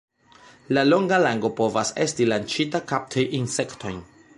La longa lango povas esti lanĉita kapti insektojn.